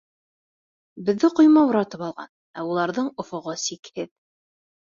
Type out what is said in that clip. Беҙҙе ҡойма уратып алған, ә уларҙың офоғо сикһеҙ...